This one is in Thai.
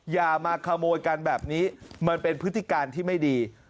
อย่ามาขโมยกันแบบนี้มันเป็นพฤติการที่ไม่ดี